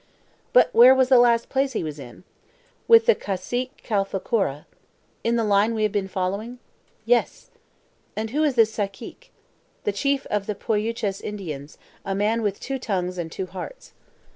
"But where was the last place he was in?" "With the Cacique Calfoucoura." "In the line we have been following?" "Yes." "And who is this Cacique?" "The chief of the Poyuches Indians, a man with two tongues and two hearts."